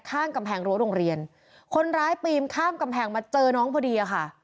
ข้างกำแพงรั้วโรงเรียนคนร้ายปีนข้ามกำแพงมาเจอน้องพอดีอะค่ะ